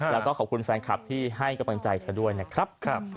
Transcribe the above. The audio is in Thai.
แล้วก็ขอบคุณแฟนคลับที่ให้กำลังใจเธอด้วยนะครับ